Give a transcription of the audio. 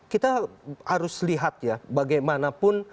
kita harus lihat ya bagaimanapun